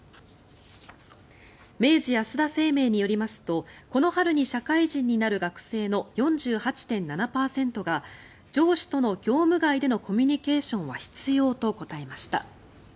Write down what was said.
明治安田生命によりますとこの春に社会人になる学生の４８．７％が上司との業務外でのコミュニケーションは必要と答えました。